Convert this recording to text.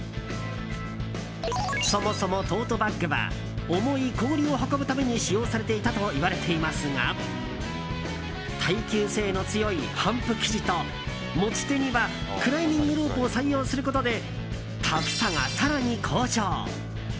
そもそもトートバッグは重い氷を運ぶために使用されていたといわれていますが耐久性の強い帆布生地と持ち手にはクライミングロープを採用することでタフさが更に向上。